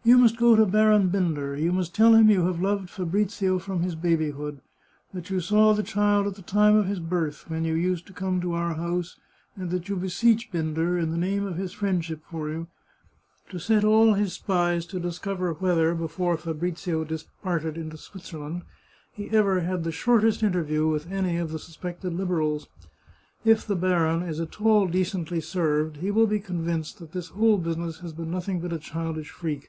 " You must go to Baron Binder ; you must tell him you have loved Fabrizio from his babyhood, that you saw the child at the time of his birth, when you used to come to our house, and that you beseech Binder, in the name of his friendship for you, to set all his spies to discover whether before Fabrizio departed into Switzerland he ever had the shortest interview with any of the suspected Liberals. If the baron is at all decently served he will be convinced that this whole business has been nothing but a childish freak.